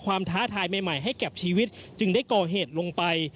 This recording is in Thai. ท้าทายใหม่ให้กับชีวิตจึงได้ก่อเหตุลงไป